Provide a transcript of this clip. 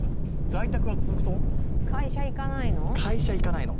在宅が続くと会社行かないの？